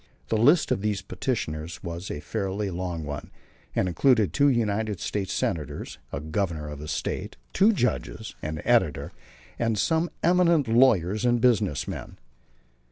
The list of these petitioners was a fairly long one, and included two United States Senators, a Governor of a State, two judges, an editor, and some eminent lawyers and business men.